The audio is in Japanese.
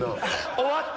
終わった？